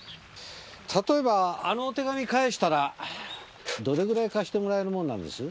例えばあの手紙返したらどれぐらい貸してもらえるもんなんです？